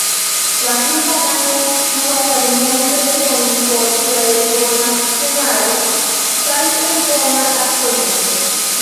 La filmo gajnis du Akademiajn Premiojn, por plej bona scenaro kaj plej bona aktorino.